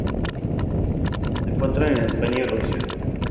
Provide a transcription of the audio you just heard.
Se encuentra en España y Rusia.